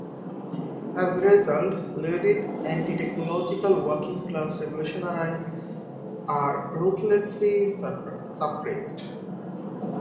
As a result, Luddite anti-technological working class revolutionaries are ruthlessly suppressed.